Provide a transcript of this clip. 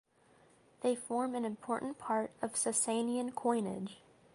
They form an important part of Sasanian coinage.